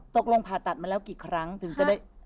ผ่าตัดมาแล้วกี่ครั้งถึงจะได้